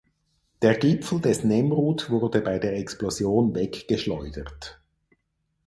Der Gipfel des Nemrut wurde bei der Explosion weggeschleudert.